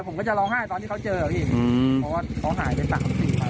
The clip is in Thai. ผมก็จะร้องไห้ตอนที่เขาเจออะพี่เพราะว่าเขาหายไปสามสี่วัน